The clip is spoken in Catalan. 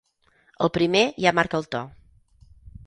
El primer ja marca el to.